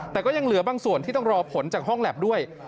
แต่ก็ยังเหลือบางส่วนที่ต้องรอผลจากห้องแล็บด้วย